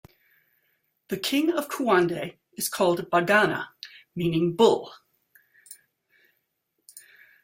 The king of Kouande is called "Bagana" meaning Bull.